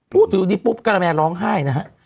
พูดถึงวันนี้ปุ๊บการะแมนร้องไห้นะฮะ